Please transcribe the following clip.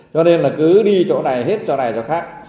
cho nên là cứ đi chỗ này hết chỗ này chỗ khác